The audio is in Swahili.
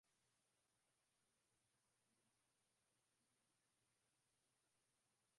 Fanya Acha bali kama jibu la upendo la mtu aliyeelewa upendo wa